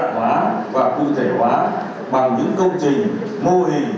đa dạng hóa và cụ thể hóa bằng những công trình mô hình